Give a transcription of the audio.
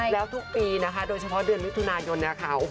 เต็มที่ไปเลยเถอะ